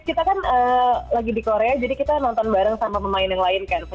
kita kan lagi di korea jadi kita nonton bareng sama pemain yang lain kan